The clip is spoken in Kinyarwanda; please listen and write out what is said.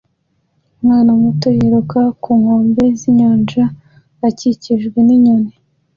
Umwana muto yiruka ku nkombe z'inyanja akikijwe n'inyoni